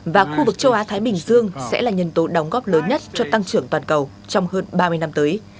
và khu vực châu á thái bình dương sẽ là nhân tố đóng góp lớn nhất cho tăng trưởng toàn cầu trong hơn ba mươi năm tới